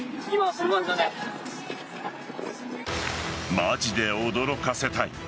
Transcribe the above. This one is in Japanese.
マジで驚かせたい。